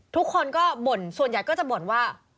ทุกคนก็บ่นส่วนใหญ่ก็จะบ่นว่า